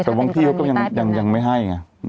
แต่บางพี่ก็ยังไม่ให้